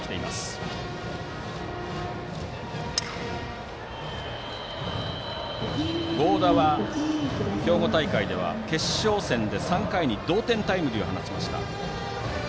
バッターの合田は兵庫大会では決勝戦で３回に同点タイムリーを放ちました。